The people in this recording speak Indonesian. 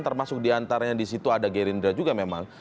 termasuk diantaranya disitu ada gerindra juga memang